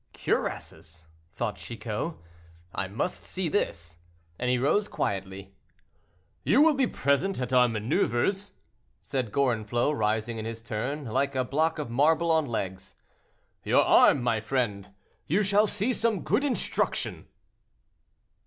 "Cuirasses!" thought Chicot, "I must see this," and he rose quietly. "You will be present at our maneuvers?" said Gorenflot, rising in his turn, like a block of marble on legs. "Your arm, my friend; you shall see some good instruction."